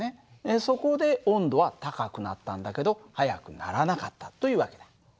そこで温度は高くなったんだけど速くならなかったという訳だ。